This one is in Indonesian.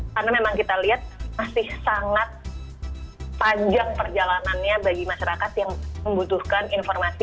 karena memang kita lihat masih sangat panjang perjalanannya bagi masyarakat yang membutuhkan informasi